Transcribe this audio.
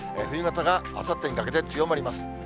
冬型があさってにかけて、強まります。